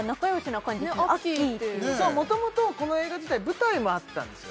アッキーってそうもともとこの映画自体舞台もあったんですよ